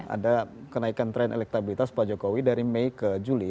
ada kenaikan tren elektabilitas pak jokowi dari mei ke juli